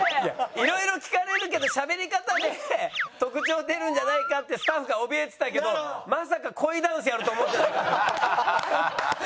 いろいろ聞かれるけどしゃべり方で特徴出るんじゃないかってスタッフがおびえてたけどまさか恋ダンスやると思ってないから。